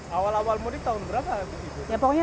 jadi dikumpulkan seperti itu dan bisa dihubungkan dengan perjalanan